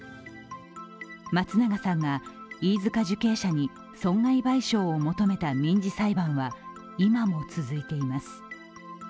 松永さんが飯塚受刑者に損害賠償を求めた民事裁判は今も続いています。